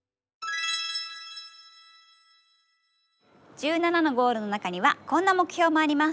１７のゴールの中にはこんな目標もあります。